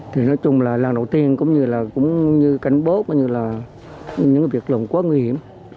thì nói chung là lần đầu tiên cũng như là cũng như cánh bố cũng như là những việc lộn quá nguy hiểm